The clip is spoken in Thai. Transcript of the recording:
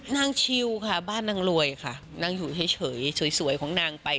ชิวค่ะบ้านนางรวยค่ะนั่งอยู่เฉยสวยของนางไป